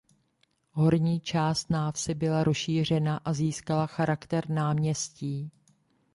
Horní část návsi byla rozšířena a získala charakter náměstí.